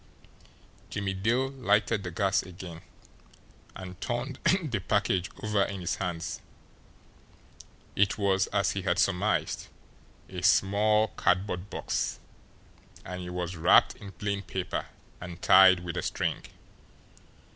Jimmie Dale lighted the gas again, and turned the package over in his hands. It was, as he had surmised, a small cardboard box; and it was wrapped in plain paper and tied with a string.